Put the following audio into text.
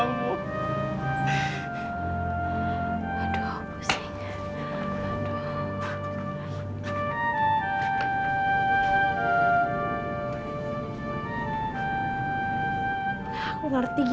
aduh aku pusing